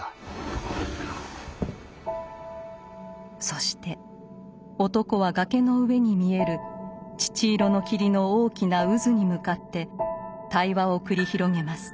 そして男は崖の上に見える乳色の霧の大きな渦に向かって対話を繰り広げます。